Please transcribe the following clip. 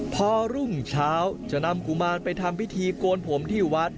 พอรุ่งเช้าจะนำกุมารไปทำพิธีโกนผมที่วัด